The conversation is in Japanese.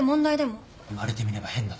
言われてみれば変だな。